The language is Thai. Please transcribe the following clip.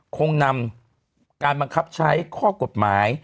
คงนำการบังคับใช้ข้อกฎหมาย